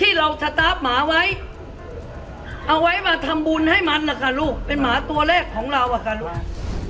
ที่เราชตัฟหมาไว้เอาไว้มาทำบุญให้มันล่ะค่ะลูกเป็นหมาตัวแรกของเราราวล่ะค่ะลูก